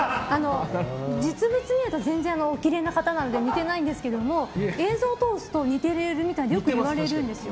実物を見ると全然おきれいな方なので似てないんですけども映像を通すと似てるみたいでよく言われるんですよ。